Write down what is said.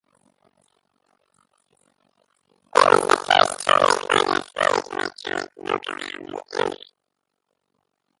It was the first totally quadraphonic electronic vocal album ever.